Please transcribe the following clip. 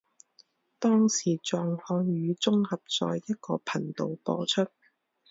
当时藏汉语综合在一个频道播出。